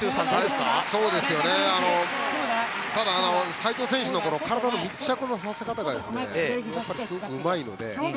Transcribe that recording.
斎藤選手の体の密着のさせ方がやっぱり、すごくうまいので。